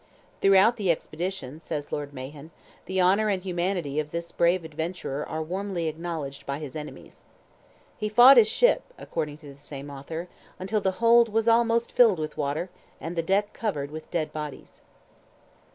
"Throughout the expedition," says Lord Mahon, "the honour and humanity of this brave adventurer are warmly acknowledged by his enemies." "He fought his ship," according to the same author, "until the hold was almost filled with water, and the deck covered with dead bodies."